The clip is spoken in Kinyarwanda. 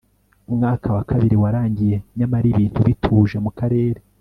umwaka wa kabiri warangiye nyamara ibintu bituje mu karere